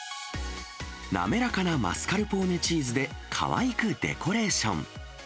滑らかなマスカルポーネチーズでかわいくデコレーション。